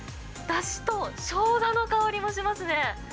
だしとしょうがの香りもしますね。